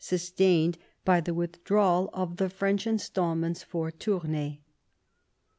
sustained by the withdrawal of the French instalments for Tournai.